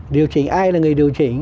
điều chỉnh ai là người điều chỉnh